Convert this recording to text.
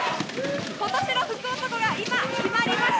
今年の福男が今、決まりました！